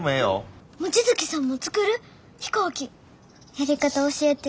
やり方教えて。